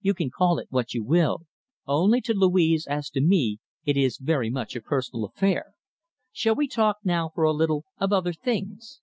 You can call it what you will. Only to Louise, as to me, it is very much a personal affair. Shall we talk now, for a little, of other things?"